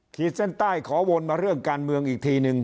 ขีดเส้นใต้ขอวนมาเรื่องการเมืองอีกทีนึง